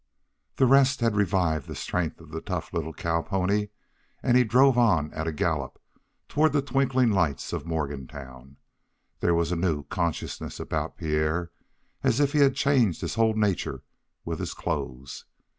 The rest had revived the strength of the tough little cow pony, and he drove on at a gallop toward the twinkling lights of Morgantown. There was a new consciousness about Pierre as if he had changed his whole nature with his clothes.